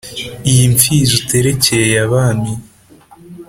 iyi mfizi uterekeye abami